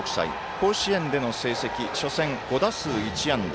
甲子園での成績初戦５打数１安打。